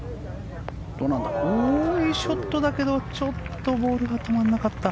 いいショットだけどちょっとボールが止まらなかった。